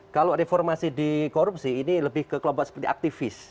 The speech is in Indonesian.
kalau reformasi di korupsi ini lebih ke kelompok seperti aktivis